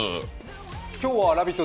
今日は「ラヴィット！」